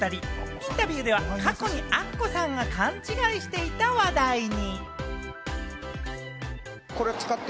インタビューでは過去にアッコさんが勘違いしていた話題に。